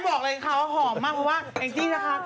ต้องบอกเลยค่ะหอมมากเพราะว่าอังจินะคะ